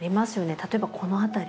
例えばこの辺り。